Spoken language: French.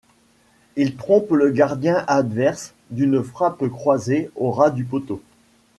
Il trompe le gardien adverse d'une frappe croisée au ras du poteau.